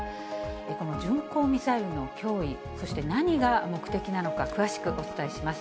この巡航ミサイルの脅威、そして何が目的なのか、詳しくお伝えします。